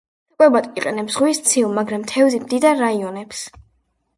საკვებად იყენებს ზღვის ცივ, მაგრამ თევზით მდიდარ რაიონებს.